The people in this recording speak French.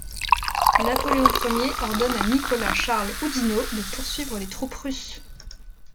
Napoléon I ordonne à Nicolas Charles Oudinot de poursuivre les troupes russes.